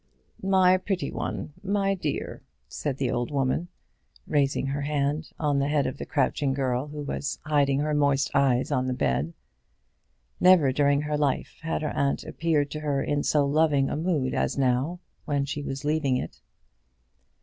"My pretty one; my dear," said the old woman, raising her hand on to the head of the crouching girl, who was hiding her moist eyes on the bed. Never during her life had her aunt appeared to her in so loving a mood as now, when she was leaving it.